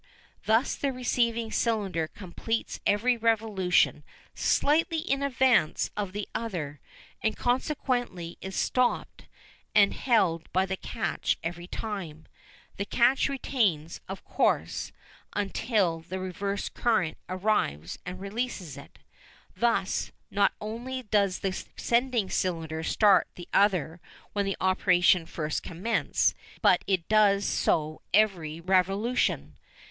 Thus the receiving cylinder completes every revolution slightly in advance of the other, and consequently it is stopped and held by the catch every time. The catch retains it, of course, until the reverse current arrives and releases it. Thus not only does the sending cylinder start the other when the operations first commence, but it does so every revolution.